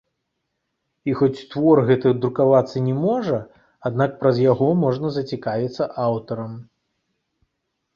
І хоць твор гэты друкавацца не можа, аднак праз яго можна зацікавіцца аўтарам.